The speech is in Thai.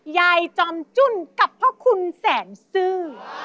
จอมจุ้นกับพ่อคุณแสนซื่อ